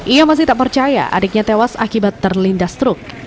ia masih tak percaya adiknya tewas akibat terlindas truk